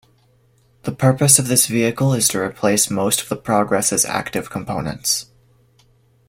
The purpose of this vehicle is to replace most of the Progress' active components.